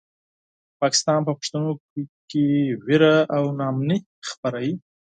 پاکستان په پښتنو کې وېره او ناامني خپروي.